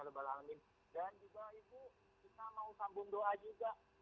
dan juga ibu kita mau sambung doa juga